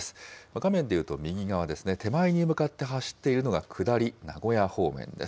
画面で言うと右側ですね、手前に向かって走っているのが下り、名古屋方面です。